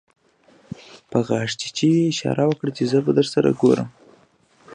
په غاښچيچي يې اشاره وکړه چې زه به درسره ګورم.